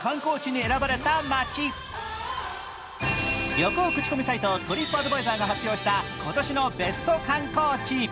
旅行口コミサイトトリップアドバイザーが発表した今年のベスト観光地。